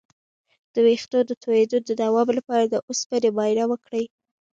د ویښتو د تویدو د دوام لپاره د اوسپنې معاینه وکړئ